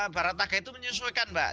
barataga itu menyesuaikan mbak